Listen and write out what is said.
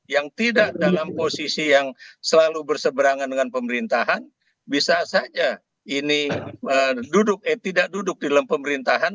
yang tidak dalam posisi yang selalu berseberangan dengan pemerintahan bisa saja ini tidak duduk di dalam pemerintahan